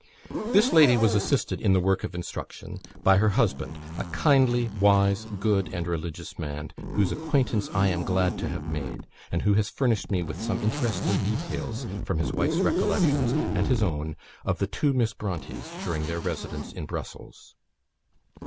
This lady was assisted in the work of instruction by her husband a kindly, wise, good, and religious man whose acquaintance I am glad to have made, and who has furnished me with some interesting details, from his wife's recollections and his own, of the two Miss Brontes during their residence in Brussels.